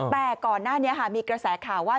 แต่ก่อนหน้านี้มีกระแสข่าวว่า